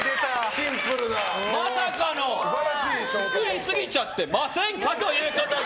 まさかの作りすぎちゃってませんか？ということで！